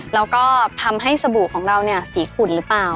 แล้วก็ทำให้สบู่ของเราเนี่ยสีขุ่นหรือเปล่า